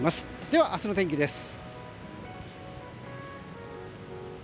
では、明日の天気です。